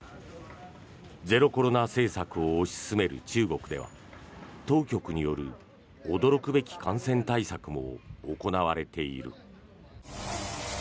ゼロコロナ政策を推し進める中国では当局による驚くべき感染対策も行われている。